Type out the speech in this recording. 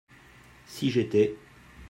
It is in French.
Si j'étais.